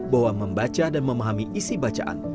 bahwa membaca dan memahami isi bacaan